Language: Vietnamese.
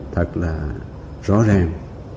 thật là rõ ràng